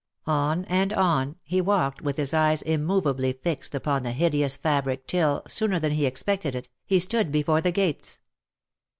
On, and on, he walked with his eyes immovably fixed upon the hideous fabric till, sooner than he expected it, he stood before the gates.